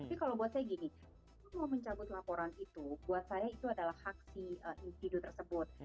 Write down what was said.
tapi kalau buat saya gini kalau mau mencabut laporan itu buat saya itu adalah hak si individu tersebut